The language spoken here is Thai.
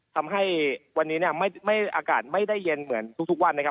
ทำให้วันนี้เนี่ยอากาศไม่ได้เย็นเหมือนทุกวันนะครับ